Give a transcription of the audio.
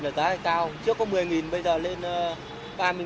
ba mươi là giá cao trước có một mươi bây giờ lên ba mươi giá hơi cao